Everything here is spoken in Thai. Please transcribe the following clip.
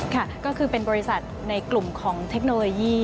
ค่ะก็คือเป็นบริษัทในกลุ่มของเทคโนโลยี